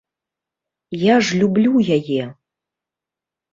Я ж люблю яе.